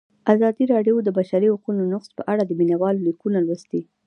ازادي راډیو د د بشري حقونو نقض په اړه د مینه والو لیکونه لوستي.